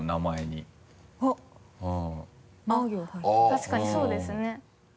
確かにそうですね。